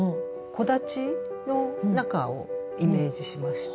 木立の中をイメージしまして。